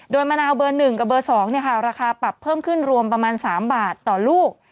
โดยมะนาวเบอร์๑กับเบอร์๒ราคาปรับเพิ่มขึ้นรวมประมาณ๓บาทต่อลูก